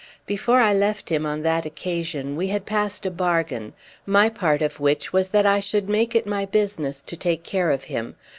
Before I left him on that occasion we had passed a bargain, my part of which was that I should make it my business to take care of him.